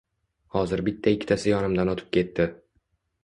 Hozir bitta-ikkitasi yonimdan o`tib ketdi